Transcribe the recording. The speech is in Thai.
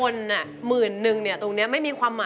ร้องได้ให้ร้าน